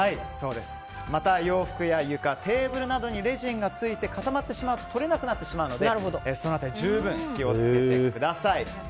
また、洋服や床テーブルなどにレジンがついて固まってしまうと取れなくなってしまうのでその辺り十分気を付けてください。